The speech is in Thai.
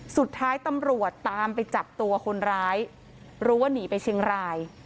สุดท้ายตำรวจตามไปจับตัวคนร้ายรู้ว่าหนีไปเชียงราย